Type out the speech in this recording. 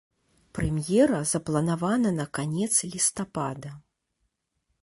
Прэм'ера запланавана на канец лістапада.